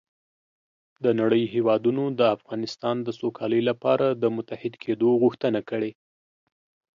د نړۍ هېوادونو د افغانستان د سوکالۍ لپاره د متحد کېدو غوښتنه کړې